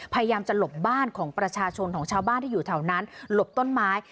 พยายามจะหลบบ้านของประชาชนของชาวบ้านที่อยู่แถวนั้นหลบต้นไม้